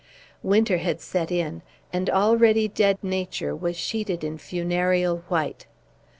Winter had set in, and already dead Nature was sheeted in funereal white.